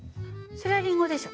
そりゃリンゴでしょ。